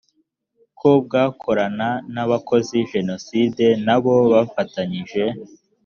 ko bwakorana n abakoze jenoside n abo bafatanyije